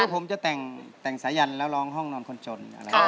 ทุกครู่ผมจะแต่งสาญัณแล้วรองห้องนอนคนชน